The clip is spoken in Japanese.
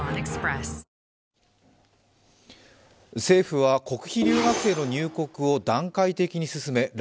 政府は国費留学生の入国を段階的に進め